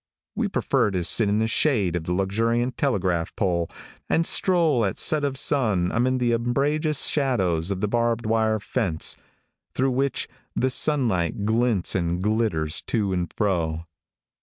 We prefer to sit in the shade of the luxuriant telegraph pole, and stroll at set of sun amid the umbrageous shadows of the barbed wire fence, through which the sunlight glints and glitters to and fro.